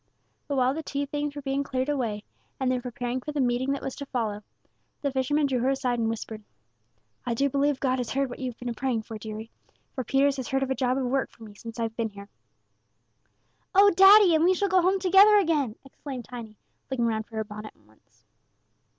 But while the tea things were being cleared away, and they were preparing for the meeting that was to follow, the fisherman drew her aside, and whispered: "I do believe God has heard what you've been a praying for, deary, for Peters has heard of a job of work for me since I've been here." "Oh, daddy! and we shall go home together again," exclaimed Tiny, looking round for her bonnet at once.